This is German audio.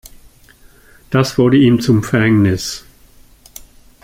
Das wurde ihnen zum Verhängnis.